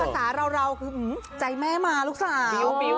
ภาษาเราคืออื้อใจแม่มาลูกสาว